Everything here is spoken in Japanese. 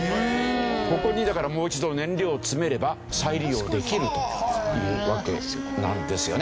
ここにだからもう一度燃料を詰めれば再利用できるというわけなんですよね。